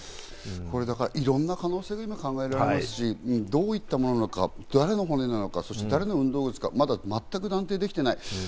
いろんな可能性が今、考えられますし、どういったものか、誰の骨なのか、誰の運動靴か、まだ全く断定できてない。